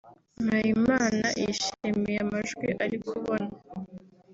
Mpayimana yishimiye amajwi ari kubona